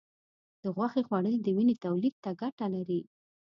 د غوښې خوړل د وینې تولید ته ګټه لري.